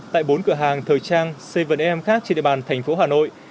tại bốn cửa hàng thời trang bảy am khác trên địa bàn thành phố hà nội